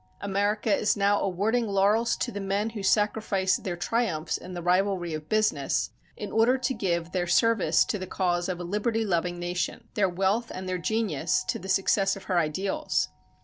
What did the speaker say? America is now awarding laurels to the men who sacrifice their triumphs in the rivalry of business in order to give their service to the cause of a liberty loving nation, their wealth and their genius to the success of her ideals.